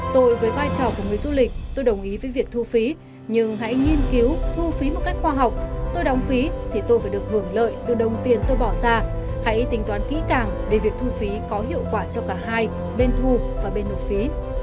tôi với vai trò của người du lịch tôi đồng ý với việc thu phí nhưng hãy nghiên cứu thu phí một cách khoa học tôi đóng phí thì tôi phải được hưởng lợi từ đồng tiền tôi bỏ ra hãy tính toán kỹ càng để việc thu phí có hiệu quả cho cả hai bên thu và bên nộp phí